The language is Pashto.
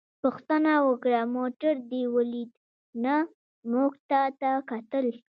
پوښتنه وکړه: موټر دې ولید؟ نه، موږ تا ته کتل.